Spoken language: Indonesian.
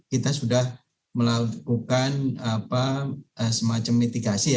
kita sudah melakukan semacam mitigasi